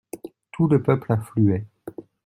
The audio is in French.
Tout le peuple affluait.